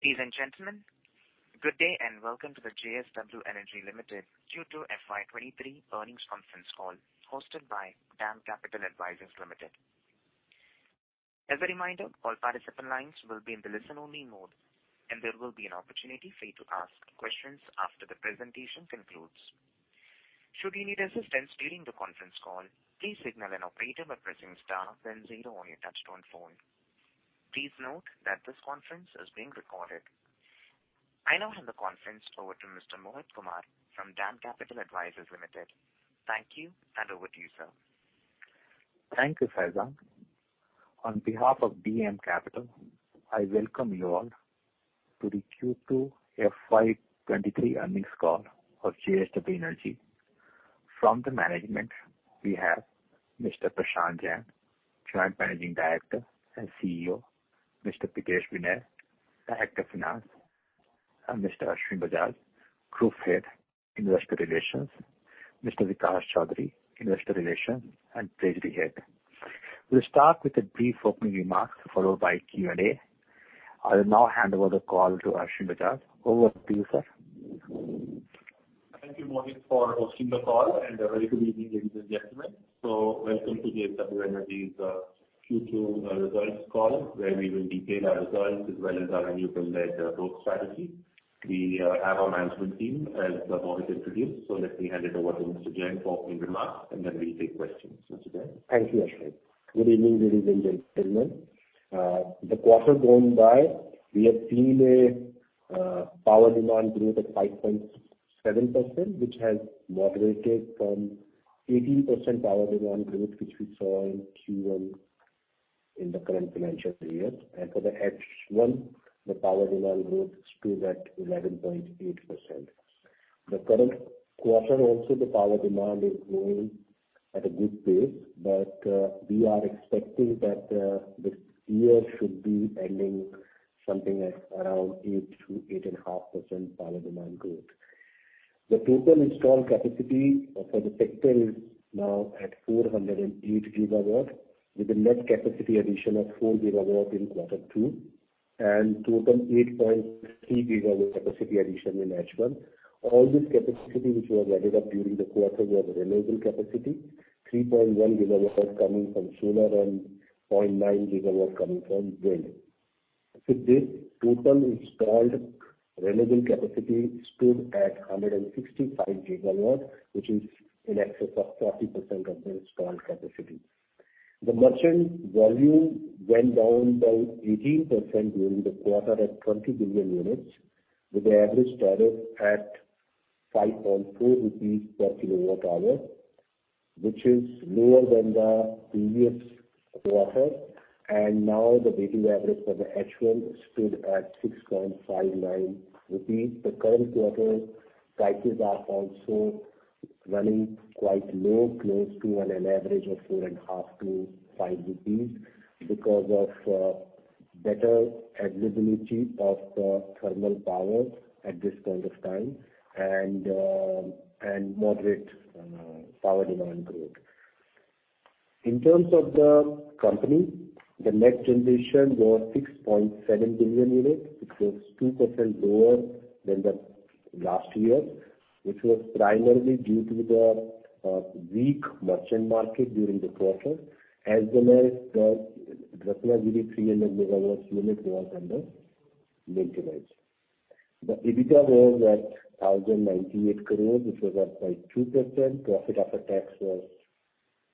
Ladies and gentlemen, good day and welcome to the JSW Energy Limited Q2 FY23 Earnings Conference Call hosted by DAM Capital Advisors Limited. As a reminder, all participant lines will be in the listen-only mode, and there will be an opportunity for you to ask questions after the presentation concludes. Should you need assistance during the conference call, please signal an operator by pressing star then zero on your touchtone phone. Please note that this conference is being recorded. I now hand the conference over to Mr. Mohit Kumar from DAM Capital Advisors Limited. Thank you, and over to you, sir. Thank you, Faizan. On behalf of DAM Capital, I welcome you all to the Q2 FY23 earnings call of JSW Energy. From the management, we have Mr. Prashant Jain, Joint Managing Director and CEO. Mr. Pritesh Vinay, Director (Finance). Mr. Ashwin Bajaj, Group Head, Investor Relations. Mr. Vikas Chaudhary, Investor Relations and Treasury head. We'll start with a brief opening remarks followed by Q&A. I will now hand over the call to Ashwin Bajaj. Over to you, sir. Thank you, Mohit, for hosting the call, and a very good evening, ladies and gentlemen. So, welcome to JSW Energy's Q2 results call, where we will detail our results as well as our annual-led growth strategy. We have our management team, as Mohit introduced. Let me hand it over to Mr. Jain for opening remarks, and then we'll take questions. Mr. Jain? Thank you, Ashwin. Good evening, ladies and gentlemen. The quarter gone by, we have seen a power demand growth at 5.7%, which has moderated from 18% power demand growth, which we saw in Q1 in the current financial year. For the H1, the power demand growth stood at 11.8%. The current quarter also, the power demand is growing at a good pace, but we are expecting that this year should be ending something at around 8%-8.5% power demand growth. The total installed capacity for the sector is now at 408 GW, with a net capacity addition of 4 GW in quarter two and total 8.3 GW capacity addition in H1. All this capacity which was added up during the quarter was renewable capacity, 3.1 GW coming from solar and 0.9 GW coming from wind. This total installed renewable capacity stood at 165 GW, which is in excess of 40% of the installed capacity. The merchant volume went down by 18% during the quarter at 20 billion units, with the average tariff at 5.4 rupees per kWh, which is lower than the previous quarter. Now the weighted average for the H1 stood at 6.59 rupees. The current quarter prices are also running quite low, close to on an average of 4.5-5 rupees because of better availability of the thermal power at this point of time and moderate power demand growth. In terms of the company, the net generation was 6.7 billion units. It was 2% lower than the last year, which was primarily due to the weak merchant market during the quarter, as well as the Ratnagiri 300 MW unit was under maintenance. The EBITDA was at 1,098 crore, which was up by 2%. Profit after tax was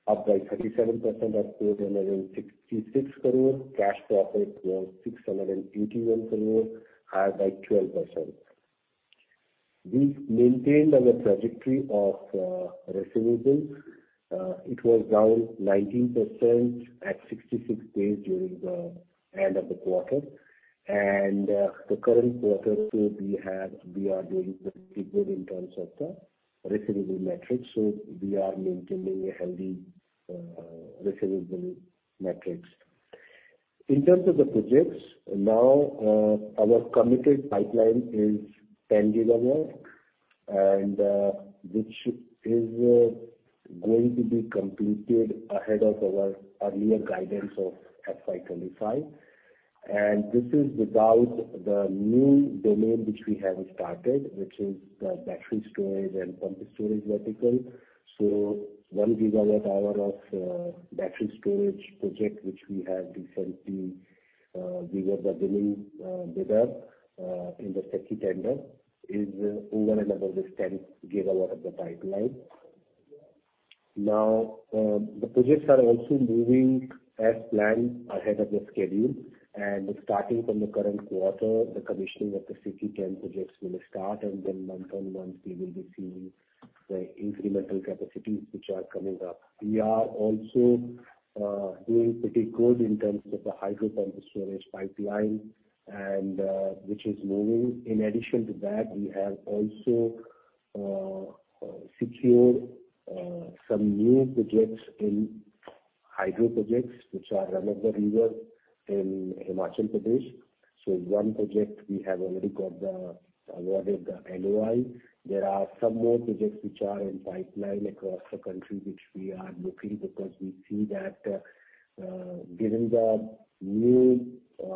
up by 37% at 466 crore. Cash profit was 681 crore, higher by 12%. We've maintained our trajectory of receivables. It was down 19% at 66 days during the end of the quarter. And, the current quarter too, we are doing pretty good in terms of the receivable metrics. So, we are maintaining a healthy receivable metrics. In terms of the projects, now, our committed pipeline is 10 GW and which is going to be completed ahead of our earlier guidance of FY 2025. And, this is without the new domain which we have started, which is the battery storage and pumped storage vertical. 1 GWh of battery storage project, which we have recently we were the winning bidder in the SECI tender, is over and above this 10 GW of the pipeline. Now, the projects are also moving as planned ahead of the schedule. Starting from the current quarter, the commissioning of the SECI X projects will start, and then month-on-month we will be seeing the incremental capacities which are coming up. We are also doing pretty good in terms of the hydro pumped storage pipeline and which is moving. In addition to that, we have also secured some new projects in hydro projects which are run of the river in Himachal Pradesh. One project we have already got awarded the LOI. There are some more projects which are in pipeline across the country which we are looking because we see that, given the new hydropower purchase obligation, there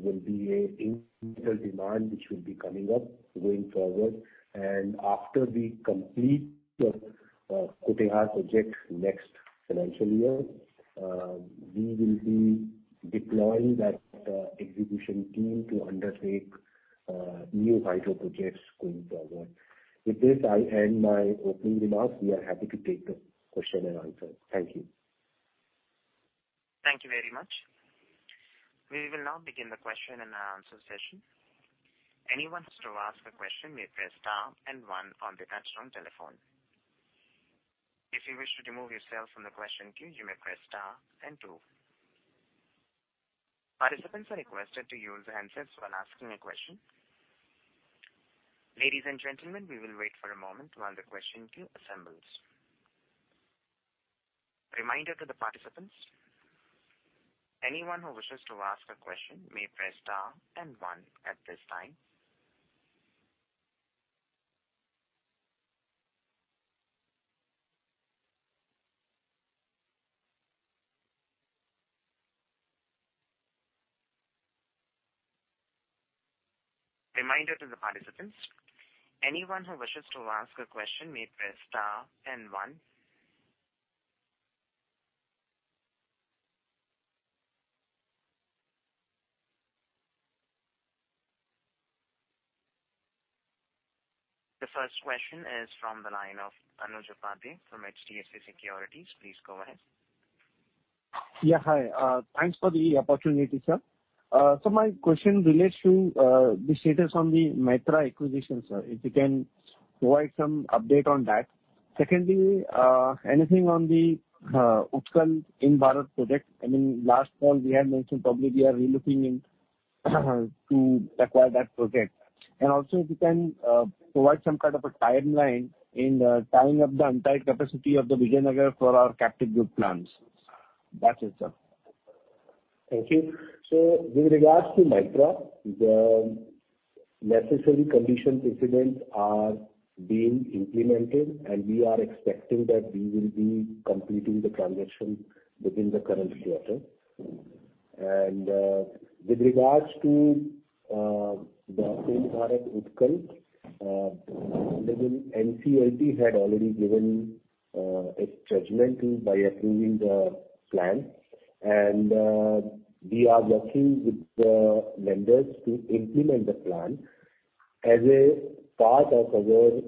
will be a demand which will be coming up going forward. After we complete the Kutehr project next financial year, we will be deploying that execution team to undertake new hydro projects going forward. With this, I end my opening remarks. We are happy to take the question-and-answer. Thank you. Thank you very much. We will now begin the question-and-answer session. Anyone who wants to ask a question may press star and one on the touchtone telephone. If you wish to remove yourself from the question queue, you may press star and two. Participants are requested to use handsets when asking a question. Ladies and gentlemen, we will wait for a moment while the question queue assembles. Reminder to the participants. Anyone who wishes to ask a question may press star and one at this time. Reminder to the participants. Anyone who wishes to ask a question may press star and one. The first question is from the line of Anuj Upadhyay from HDFC Securities. Please go ahead. Yeah, hi. Thanks for the opportunity, sir. My question relates to the status on the Mytrah acquisition, sir. If you can provide some update on that. Secondly, anything on the Utkal Ind-Barath project? I mean, last call we had mentioned probably we are relooking in, to acquire that project. And, also if you can provide some kind of a timeline in tying up the untied capacity of the Vijayanagar for our captive group plants. That's it, sir. Thank you. With regards to Mytrah, the necessary conditions precedent are being implemented, and we are expecting that we will be completing the transaction within the current quarter. And, with regards to the Ind-Barath Utkal, I mean, NCLT had already given its judgment thereby approving the plan. And, we are working with the lenders to implement the plan. As a part of our,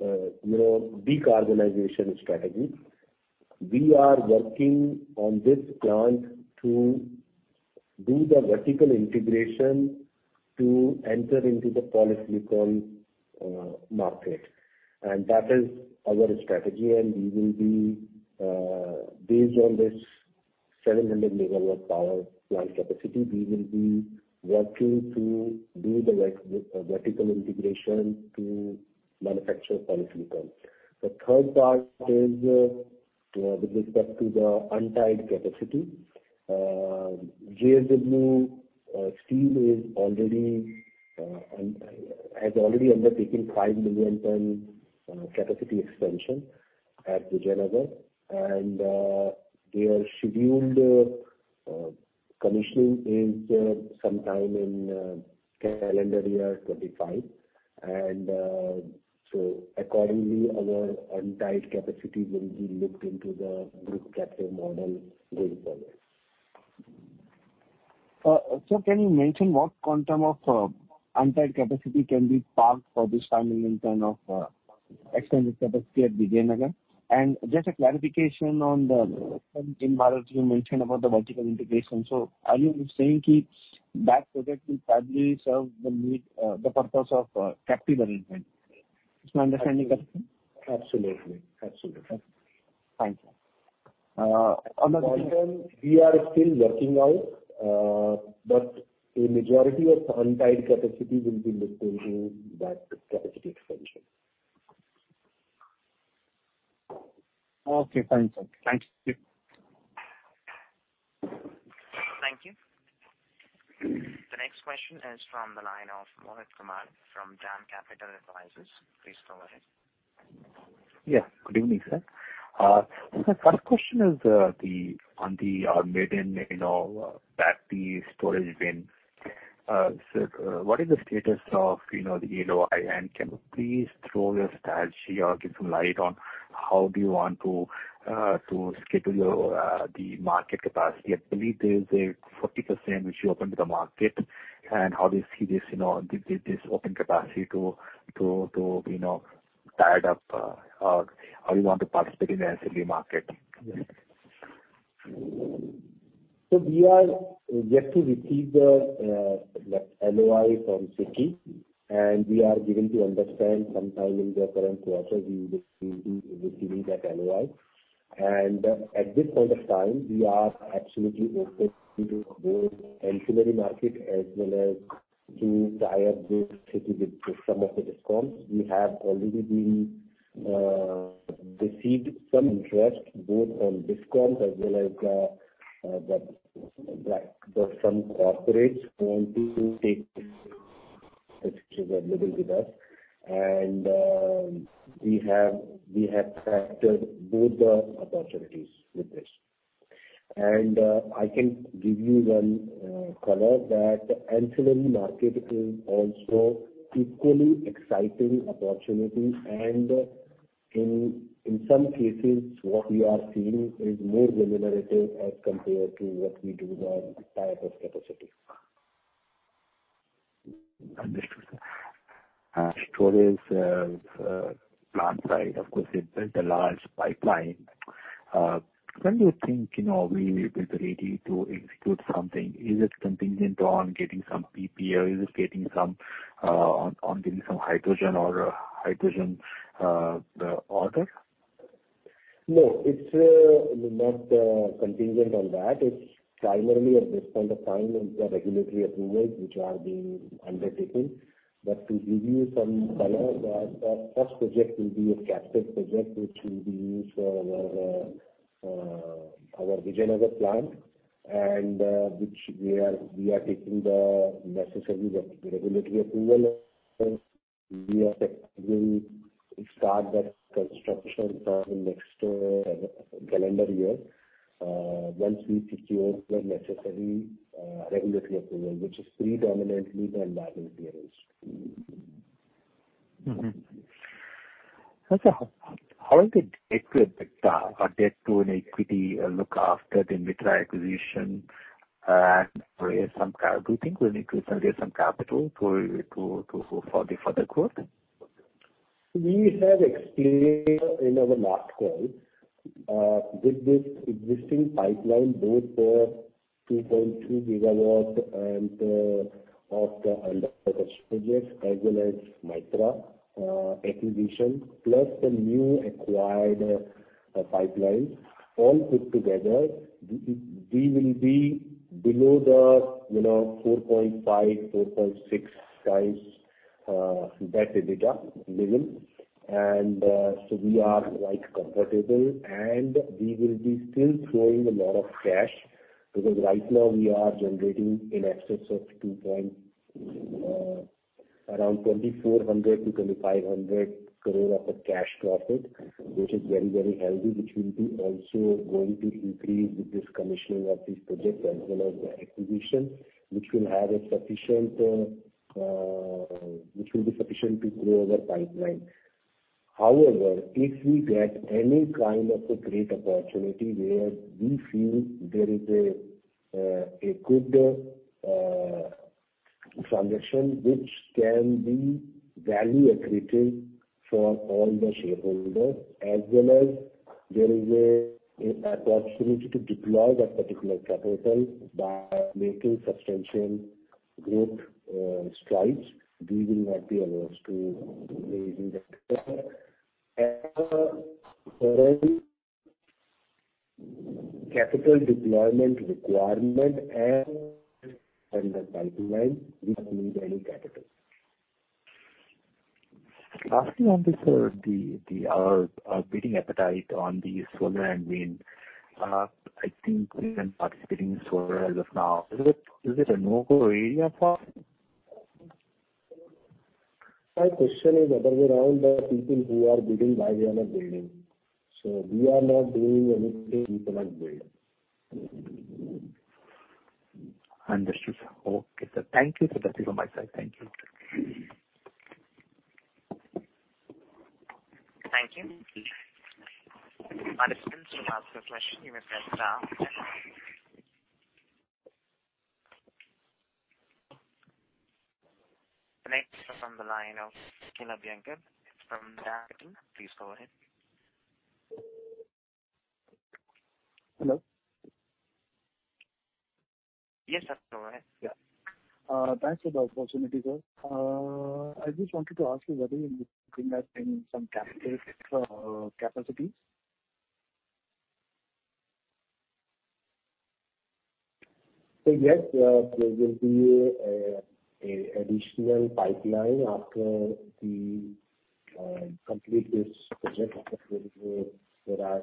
you know, decarbonization strategy, we are working on this plant to do the vertical integration to enter into the polysilicon market. And, that is our strategy. Based on this 700 MW power plant capacity, we will be working to do the vertical integration to manufacture polysilicon. The third part is with respect to the untied capacity. JSW Steel has already undertaken 5 million ton capacity expansion at Vijayanagar. And, their scheduled commissioning is sometime in calendar year 2025. And so, accordingly our untied capacity will be looked into the group captive model going forward. Sir, can you mention what quantum of untied capacity can be parked for this 5 million ton of expanded capacity at Vijayanagar? And, just a clarification on the Utkal Ind-Barath, you mentioned about the vertical integration. So, are you saying that project will probably serve the need the purpose of captive arrangement? Is my understanding correct, sir? Absolutely. Absolutely. Thank you. Another thing- Although we are still working out, but a majority of untied capacity will be looked into that capacity expansion. Okay. Fine, sir. Thank you. Thank you. The next question is from the line of Mohit Kumar from DAM Capital Advisors. Please go ahead. Good evening, sir. My first question is on the maiden battery storage bid. So, what is the status of the LOI? And can you please throw light on your strategy on how do you want to schedule your merchant capacity? I believe there is 40% which you open to the market. And how do you see this open capacity to you know, tied up or how you want to participate in the ancillary market? We are yet to receive the LOI from SECI, and we are given to understand sometime in the current quarter we will be receiving that LOI. And, at this point of time, we are absolutely open to both ancillary market as well as to tie up those capacity with some of the DISCOMs. We have already received some interest both on DISCOM as well as the some corporates wanting to take available with us. And, we have factored both the opportunities with this. And, I can give you one color that ancillary market is also equally exciting opportunity. And, In some cases, what we are seeing is more remunerative as compared to what we do the tie up of capacity. Understood, sir. Storage plant side, of course, you've built a large pipeline. When do you think, you know, we will be ready to execute something? Is it contingent on getting some PPA? Is it getting some on getting some hydrogen or hydrogen the order? No, it's not contingent on that. It's primarily at this point of time, it's a regulatory approval which are being undertaken. To give you some color, the first project will be a captive project, which will be used for our Vijayanagar plant, and which we are taking the necessary regulatory approval. We are expecting to start the construction from next calendar year once we secure the necessary regulatory approval, which is predominantly the environment clearance. How is the debt-to-EBITDA or debt-to-equity look after the Mytrah acquisition? Do you think we'll need to raise some capital for the further growth? We have explained in our last call, with this existing pipeline, both the 2.2 GW and of the under construction as well as Mytrah acquisition, plus the new acquired pipeline. All put together, we will be below the, you know, 4.5-4.6x debt-to-EBITDA level. We are quite comfortable, and we will be still throwing a lot of cash because right now we are generating in excess of around 2,400-2,500 crore of a cash profit, which is very, very healthy, which will be also going to increase with this commissioning of this project as well as the acquisition, which will be sufficient to grow our pipeline. However, if we get any kind of a great opportunity where we feel there is a good transaction which can be value accretive for all the shareholders, as well as there is a opportunity to deploy that particular capital by making substantial growth strides, we will not be averse to raising the capital. And, as a current capital deployment requirement and the pipeline, we don't need any capital. Lastly on this, bidding appetite on the solar and wind. I think you have been participating in solar as of now. Is it a no-go area for us? My question is the other way around the people who are bidding, why they are not building? So, we are not doing anything, which we cannot build. Understood. Okay, sir. Thank you. That's it from my side. Thank you. Thank you. Participants if you have questions you may press star. Our next question comes from the line of Nikhil Abhyankar from DAM Capital. Please go ahead. Hello? Yes, sir. Go ahead. Yeah. Thanks for the opportunity, sir. I just wanted to ask you whether you're looking at in some capacities? Yes, there will be an additional pipeline after we complete this project. There are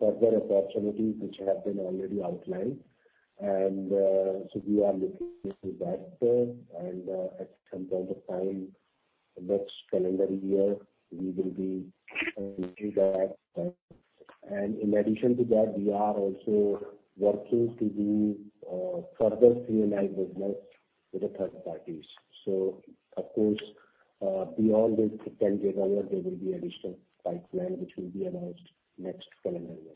further opportunities which have been already outlined. And, we are looking into that. And, at some point of time next calendar year, we will be doing that. And, In addition to that, we are also working to do further CNI business with the third parties. So, Of course, beyond this 10 GW, there will be additional pipeline which will be announced next calendar year.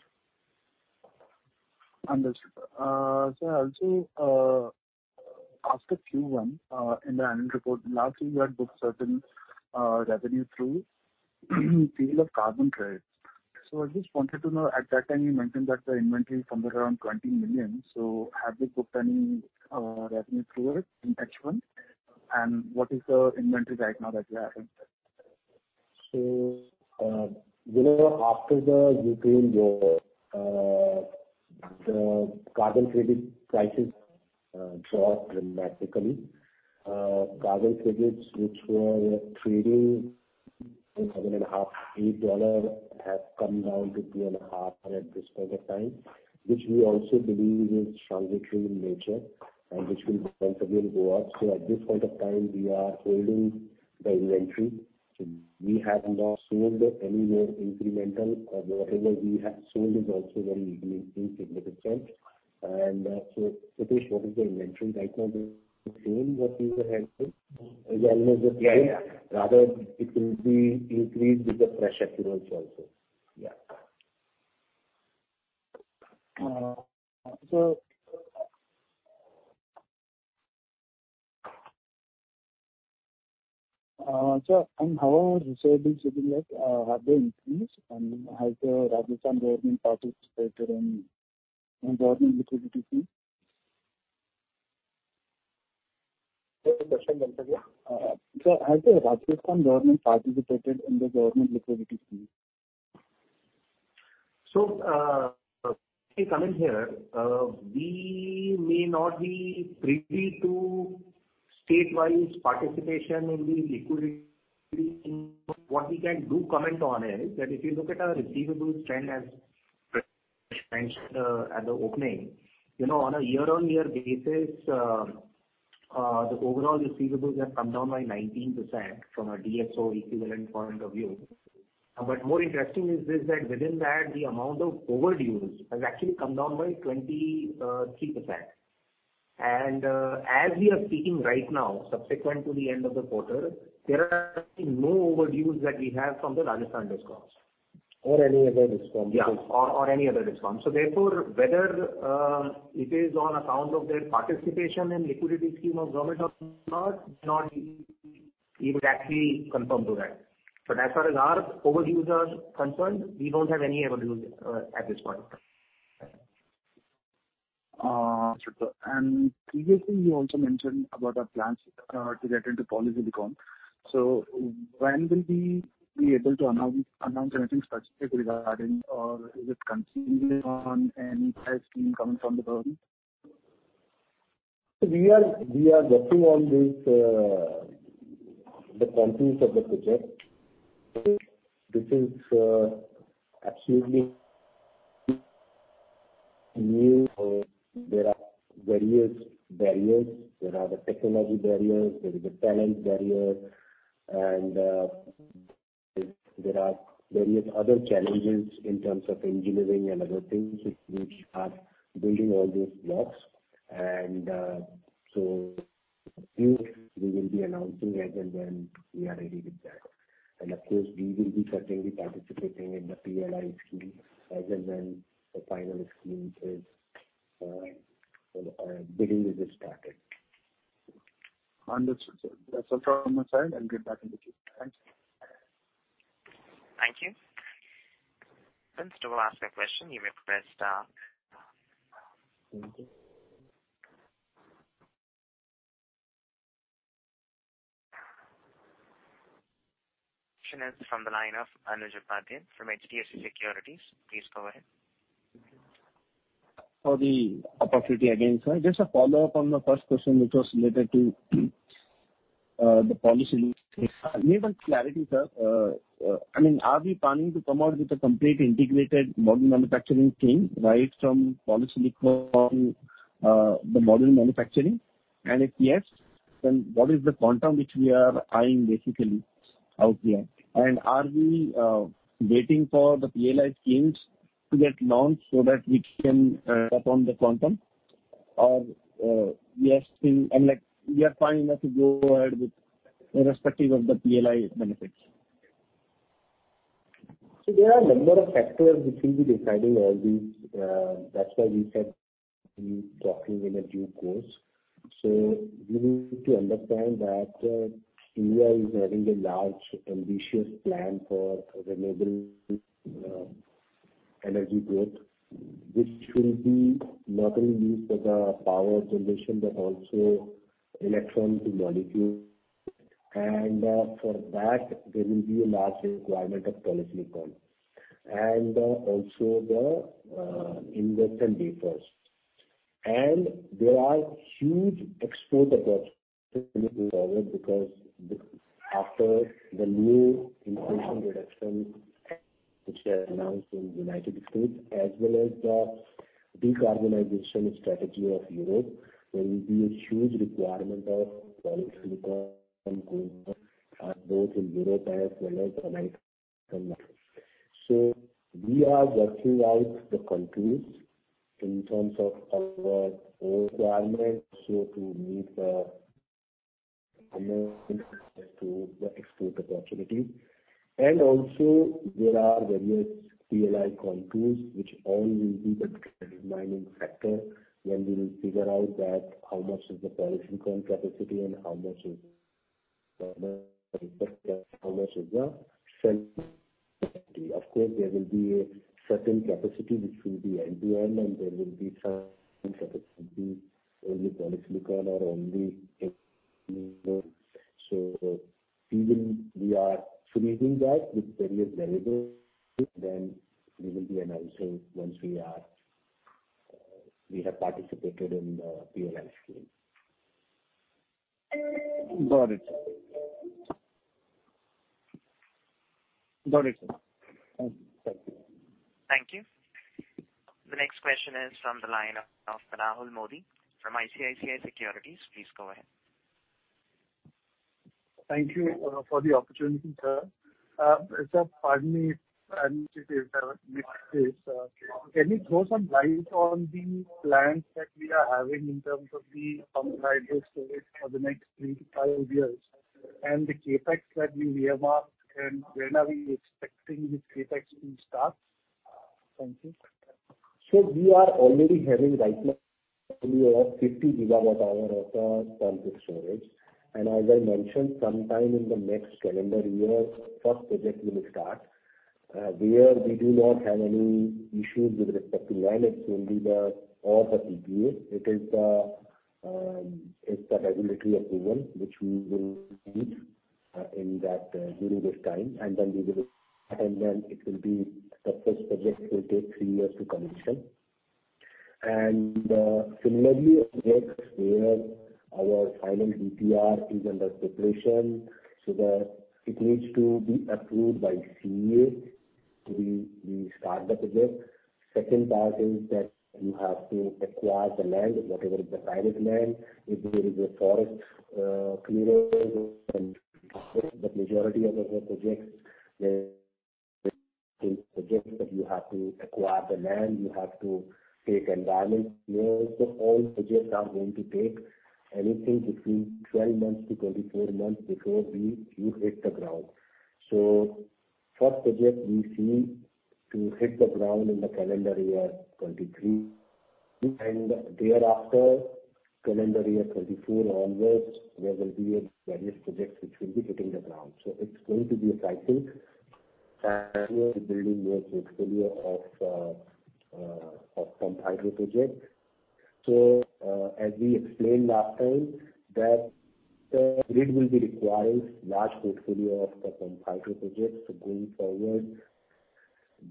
Understood. So also after Q1, in the annual report last year you had booked certain revenue through sale of carbon credits. I just wanted to know, at that time you mentioned that the inventory is somewhere around 20 million. So, have you booked any revenue through it in H1? What is the inventory right now that we are having? So, you know, after the Ukraine war, the carbon credit prices dropped dramatically. Carbon credits, which were trading $7.5-$8, have come down to $2.5 at this point of time, which we also believe is transitional in nature and which will once again go up. So, at this point of time, we are holding the inventory. We have not sold any more incremental or whatever we have sold is also very insignificant. And so Pritesh, what is the inventory right now is the same what we were having as well as the Yeah, yeah. Rather it will be increased with the fresh accruals also. And sir, how are receivables looking like? Have they increased? Has the Rajasthan government participated in government liquidity scheme? Repeat your question once again. Sir, has the Rajasthan government participated in the government liquidity scheme? So, Nikhil let me come in here, we may not be privy to statewide participation in the liquidity scheme of the government. But, what we can comment on is that if you look at our receivables trend, as Prashant mentioned at the opening, you know, on a year-over-year basis, the overall receivables have come down by 19% from a DSO equivalent point of view. But more interesting is this, that within that the amount of overdues has actually come down by 23%. As we are speaking right now, subsequent to the end of the quarter, there are no overdues that we have from the Rajasthan DISCOMs. Or any other DISCOMs. Or any other DISCOMs. Whether it is on account of their participation in liquidity scheme of government or not, we would actually conform to that. But, as far as our overdues are concerned, we don't have any overdue at this point. Understood sir. And previously you also mentioned about the plans to get into polysilicon. So, when will we be able to announce anything specific regarding that or is it contingent on any PLI scheme coming from the government? We are working on this, the contours of the project because this is absolutely new area for the country. So, there are various barriers, there are the technology barriers, there is a talent barrier, and there are various other challenges in terms of engineering and other things which are building all these blocks. And, soon we will be announcing as and when we are ready with that. And, Of course, we will be certainly participating in the PLI scheme as and when the final scheme is bidding is started. Understood, sir. That's all from my side. I'll get back into queue. Thanks. Thank you. Next, to ask a question you may press star. Thank you. Next is from the line of Anuj Upadhyay from HDFC Securities. Please go ahead. For the opportunity again, sir. Just a follow-up on the first question, which was related to the polysilicon. I need one clarity, sir. I mean, are we planning to come out with a complete integrated module manufacturing team, right from polysilicon, the module manufacturing? And if yes, then what is the quantum which we are eyeing basically out here? And are we waiting for the PLI schemes to get launched so that we can tap on the quantum? Or, I mean, like, we are planning now to go ahead with irrespective of the PLI benefits. There are a number of factors which will be deciding all these, that's why we said we'll be talking in due course. You need to understand that India is having a large ambitious plan for renewable energy growth, which will be not only used for the power generation, but also electron to molecule. For that, there will be a large requirement of polysilicon and also the ingots and wafers. There are huge export opportunities going forward because after the new Inflation Reduction Act, which they have announced in United States, as well as the decarbonization strategy of Europe, there will be a huge requirement of polysilicon and components both in Europe as well as the United States. We are working out the contours in terms of our own requirements, so to meet the demand as well as the export opportunity. Also there are various PLI contours which all will be the determining factor when we figure out how much is the polysilicon capacity. Of course, there will be a certain capacity which will be end-to-end, and there will be some capacity, only polysilicon or only solar. Even we are finalizing that with various variables, then we will be announcing once we have participated in the PLI scheme. Got it, sir. Thank you, sir. Thank you. The next question is from the line of Rahul Modi from ICICI Securities. Please go ahead. Thank you for the opportunity, sir. Sir, pardon me if, can you throw some light on the plans that we are having in terms of the pumped hydro storage for the next three-five years, and the CapEx that we earmarked? When are we expecting this CapEx to start? Thank you. We are already having right now a portfolio of 50 gigawatt-hour of pumped storage. As I mentioned, sometime in the next calendar year, first project will start. Where we do not have any issues with respect to land, it's only the PPA. It is the regulatory approval which we will need during that time. Then we will attend them. The first project will take three years to commission. Similarly, projects where our final DPR is under preparation, it needs to be approved by CEA before we start the project. Second part is that you have to acquire the land, whatever is the private land. If there is a forest clearance and the majority of our projects that you have to acquire the land, you have to take environmental clearance. All projects are going to take anything between 12-24 months before we do hit the ground. First project we see to hit the ground in the calendar year 2023, and thereafter calendar year 2024 onwards, there will be various projects which will be hitting the ground. It's going to be a cycle. We are building a portfolio of pumped hydro projects. As we explained last time that the grid will be requiring large portfolio of the pumped hydro projects. Going forward,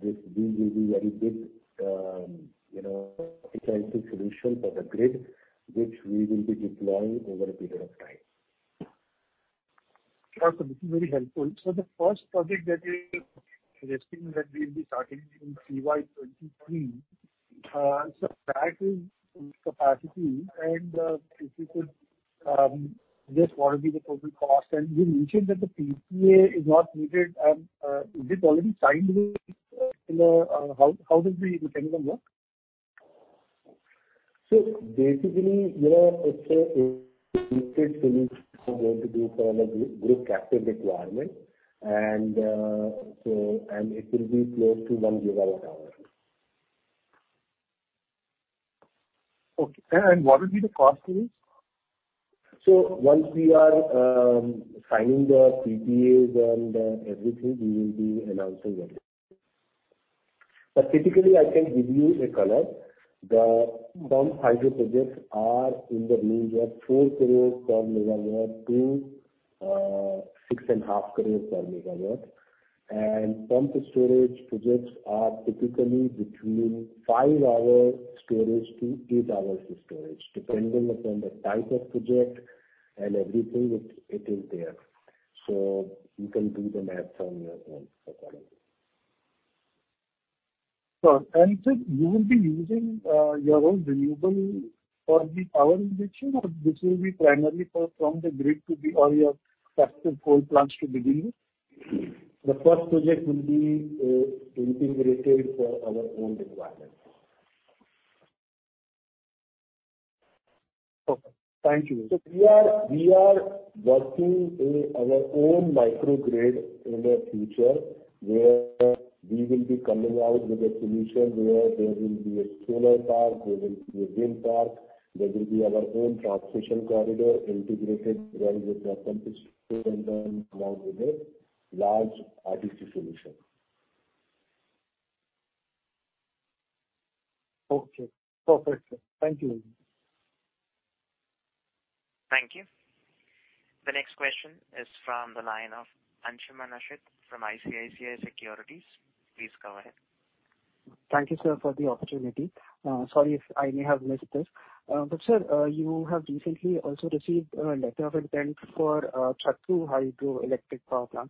this will be very big, you know, scientific solution for the grid, which we will be deploying over a period of time. Yeah. This is very helpful. The first project that is resting, that will be starting in CY 2023. That is capacity. If you could just what will be the total cost? You mentioned that the PPA is not needed. Is it already signed with how does the mechanism work? Basically, you know, it's going to be for the group captive requirement, and it will be close to 1 GWh. Okay. What will be the cost to it? Once we are signing the PPAs and everything, we will be announcing that. Typically, I can give you a color. The pumped hydro projects are in the range of 4 crore per MW to 6.5 crore per MW. Pumped storage projects are typically between 5 hours storage to 8 hours storage, depending upon the type of project and everything, it is there. You can do the math on your own accordingly. Sure. Sir, you will be using your own renewable for the power injection, or this will be primarily from the grid to all your captive coal plants to begin with? The first project will be integrated for our own requirements. Okay, thank you. We are working in our own microgrid in the future, where we will be coming out with a solution where there will be a solar park, there will be a wind park, there will be our own transmission corridor integrated well with the pumped storage along with a large RTC solution. Okay. Perfect, sir. Thank you. Thank you. The next question is from the line of Anshuman Ashit from ICICI Securities. Please go ahead. Thank you, sir, for the opportunity. Sorry if I may have missed this. Sir, you have recently also received a letter of intent for Chatru Hydroelectric Project.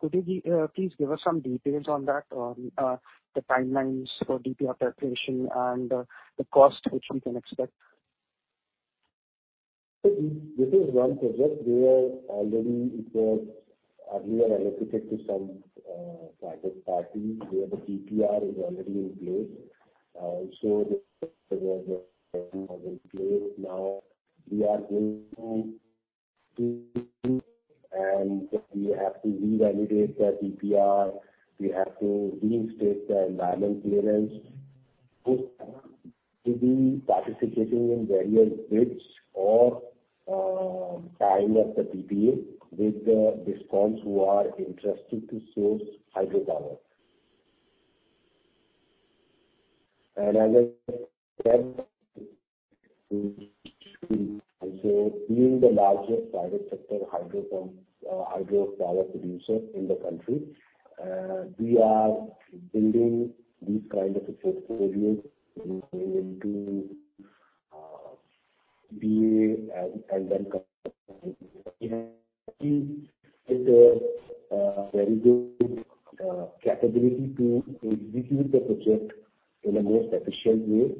Could you please give us some details on that, on the timelines for DPR preparation and the cost which we can expect? This is one project where already it was earlier allocated to some private party, where the DPR is already in place. The project is in place now. We have to revalidate the DPR. We have to reinstate the environment clearance. We'll be participating in various bids or signing of the PPA with the DISCOMs who are interested to source hydropower. As I said, being the largest private sector hydropower producer in the country, we are building these kind of a portfolios into PPA and then has a very good capability to execute the project in a more efficient way.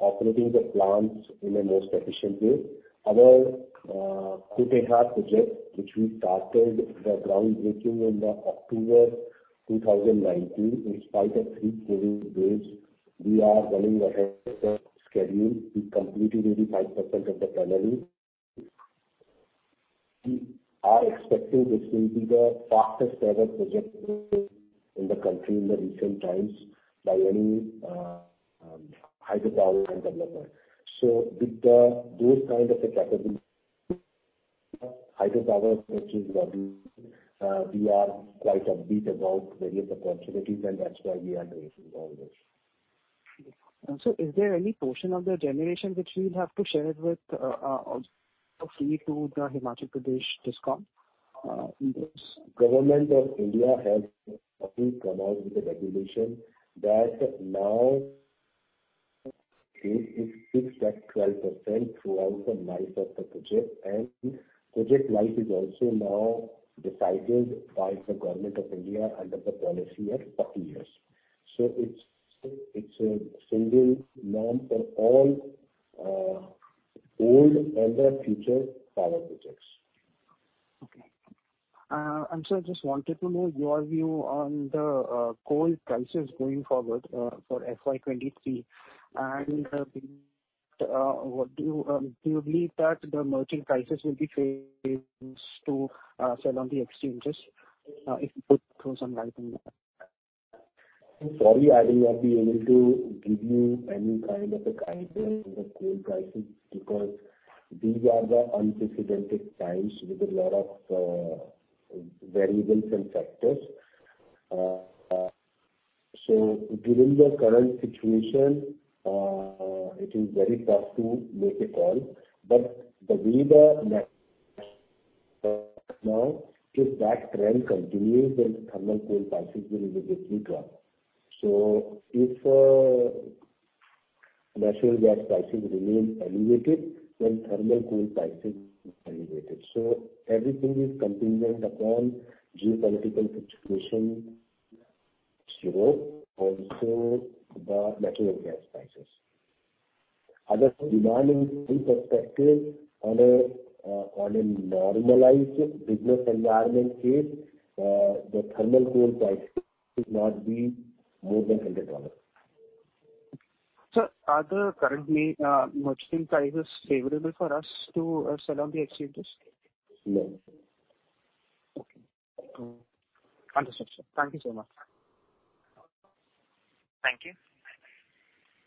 Operating the plants in a most efficient way. Our Kutehr project, which we started the groundbreaking in October 2019, in spite of three COVID waves, we are running ahead of the schedule. We completed 85% of the tunneling. We are expecting this will be the fastest ever project in the country in recent times by any hydropower developer. With those kind of a capability, hydropower which is running, we are quite upbeat about various opportunities, and that's why we are very involved with. Is there any portion of the generation which you'll have to share it with, also free to the Himachal Pradesh DISCOM? Government of India has come out with a regulation that now it is fixed at 12% throughout the life of the project. Project life is also now decided by the Government of India under the policy at 30 years. It's a single norm for all old and the future power projects. Okay. Sir, just wanted to know your view on the coal prices going forward for FY 2023. What do you believe that the merchant prices will be changed to sell on the exchanges if put through some rise in demand? Sorry, I will not be able to give you any kind of a guidance on the coal prices because these are the unprecedented times with a lot of variables and factors. Given the current situation, it is very tough to make a call. The way it is now, if that trend continues, then thermal coal prices will immediately drop. If natural gas prices remain elevated, then thermal coal prices will be elevated. Everything is contingent upon geopolitical situation, also the natural gas prices. Overall demand in perspective on a normalized business environment case, the thermal coal price should not be more than $100. Sir, are the current merchant prices favorable for us to sell on the exchanges? No. Okay. Understood, sir. Thank you so much. Thank you.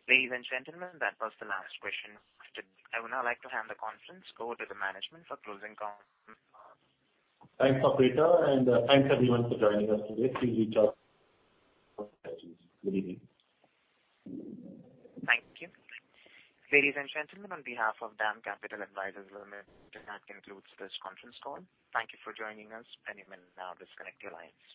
Ladies and gentlemen, that was the last question. I would now like to hand the conference call to the management for closing comments. Thanks, Arpita, and thanks everyone for joining us today. We'll reach out. Good evening. Thank you. Ladies and gentlemen, on behalf of DAM Capital Advisors Limited, that concludes this conference call. Thank you for joining us, and you may now disconnect your lines.